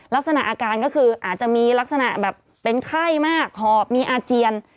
ลักษณะอาการก็คืออาจจะมีลักษณะแบบเป็นไข้มากหอบมีอาเจียน